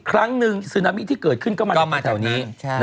ครั้งนึงสินามิที่เกิดขึ้นก็มาตรงแถวนี้